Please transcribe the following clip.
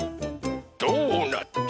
ドーナツ。